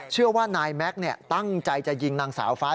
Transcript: เชื่อว่านายแม็กซ์ตั้งใจจะยิงนางสาวฟ้า